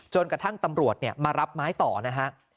จนกระทั่งตำรวจมารับไม้ต่อนะฮะ